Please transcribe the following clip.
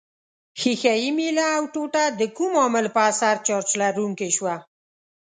ښيښه یي میله او ټوټه د کوم عامل په اثر چارج لرونکې شوه؟